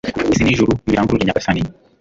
isi n'ijuru nibirangurure, nyagasani